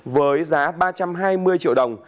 với giá ba trăm hai mươi triệu đồng